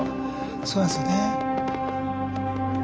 そうなんですよね。